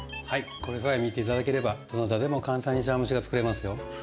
これさえ見ていただければどなたでも簡単に茶わん蒸しが作れますよ。